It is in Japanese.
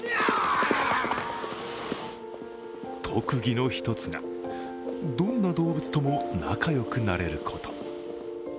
特技の一つがどんな動物とも仲良くなれること。